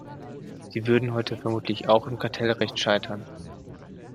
Sie würden heute vermutlich auch am Kartellrecht scheitern.